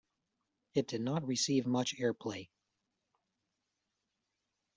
It did not receive much airplay.